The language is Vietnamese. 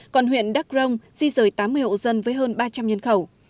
còn huyện đắk rông di rời tám mươi hộ dân với hơn ba trăm linh nhân khẩu